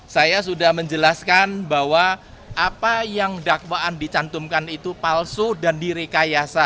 saya sudah menjelaskan bahwa apa yang dakwaan dicantumkan itu palsu dan direkayasa